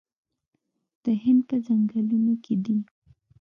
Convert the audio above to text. د هند په ځنګلونو کې دي